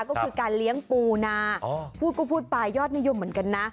ก็คือการเลี้ยงปูนาพูดก็พูดไปยอดนิยมเหมือนกันนะ